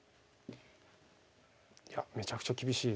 いやめちゃくちゃ厳しいです。